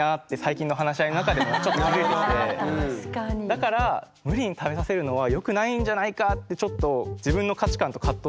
だから無理に食べさせるのはよくないんじゃないかってちょっとへ。